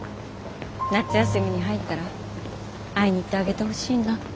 夏休みに入ったら会いに行ってあげてほしいな。